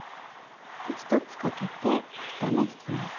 で１つかけて２目引きます。